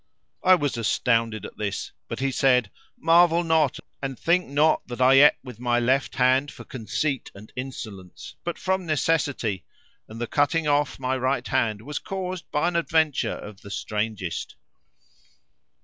I was astounded at this but he said, "Marvel not, and think not that I ate with my left hand for conceit and insolence, but from necessity; and the cutting off my right hand was caused by an adventure of the strangest."